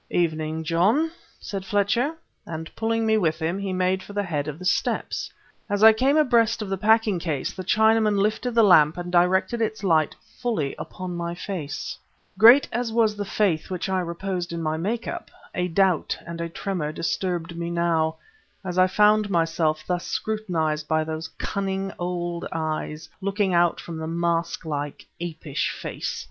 "Evening, John," said Fletcher and, pulling me with him, he made for the head of the steps. As I came abreast of the packing case, the Chinaman lifted the lamp and directed its light fully upon my face. Great as was the faith which I reposed in my make up, a doubt and a tremor disturbed me now, as I found myself thus scrutinized by those cunning old eyes looking out from the mask like, apish face.